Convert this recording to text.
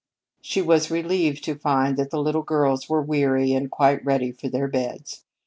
She was relieved to find that the little girls were weary and quite ready for their beds.